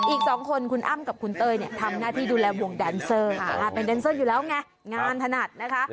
อีก๒คนคุณอ้ำกับคุณเต้ยเนี่ยทำหน้าที่ดูแลวงแดนเซอร์เป็นแดนเซอร์อยู่แล้วไงงานถนัดนะคะ